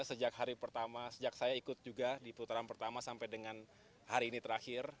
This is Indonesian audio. sejak hari pertama sejak saya ikut juga di putaran pertama sampai dengan hari ini terakhir